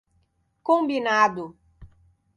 Combinado